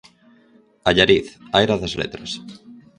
Allariz: Aira das letras.